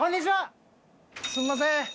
すみません。